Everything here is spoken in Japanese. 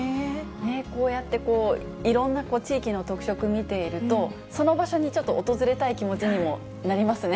こうやって、いろんな地域の特色見ていると、その場所にちょっと訪れたい気持ちにもなりますね。